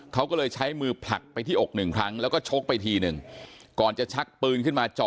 เขาก็เลยใช้มือผลักไปที่อกหนึ่งครั้งแล้วก็ชกไปทีหนึ่งก่อนจะชักปืนขึ้นมาเจาะ